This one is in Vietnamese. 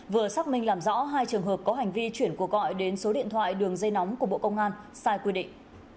vừa xác minh làm rõ hai trường hợp có hành vi chuyển cuộc gọi đến số điện thoại đường dây nóng của bộ công an sai quy định